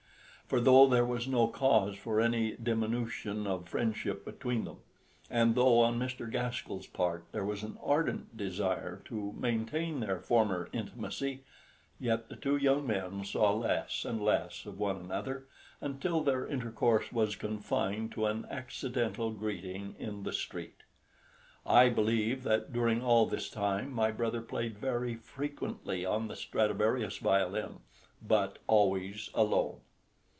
For though there was no cause for any diminution of friendship between them, and though on Mr. Gaskell's part there was an ardent desire to maintain their former intimacy, yet the two young men saw less and less of one another, until their intercourse was confined to an accidental greeting in the street. I believe that during all this time my brother played very frequently on the Stradivarius violin, but always alone.